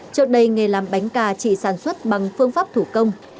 trong đây nghề làm bánh cà chị sản xuất bằng phương pháp thủ công